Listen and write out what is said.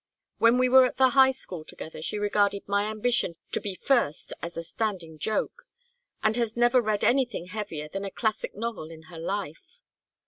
When we were at the High School together she regarded my ambition to be first as a standing joke, and has never read anything heavier than a classic novel in her life.